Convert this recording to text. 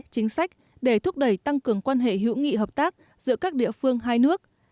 chính sách để thúc đẩy tăng cường quan hệ hữu nghị hợp tác giữa các địa phương hai nước